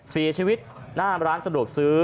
เสียชีวิตหน้าร้านสะดวกซื้อ